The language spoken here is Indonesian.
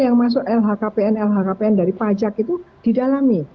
yang masuk lhkpn lhkpn dari pajak itu didalami